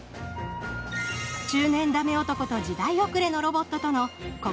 中年駄目男と時代遅れのロボットとの心